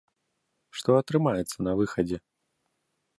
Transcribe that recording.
Што атрымаецца на выхадзе?